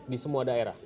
di semua daerah